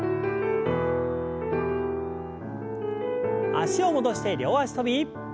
脚を戻して両脚跳び。